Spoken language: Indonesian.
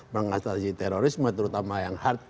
mengatasi terorisme terutama yang hard